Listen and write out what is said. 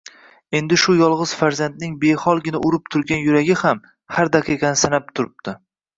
Endi shu yolg`iz farzandning beholgina urib turgan yuragi ham, har daqiqani sanab turibdi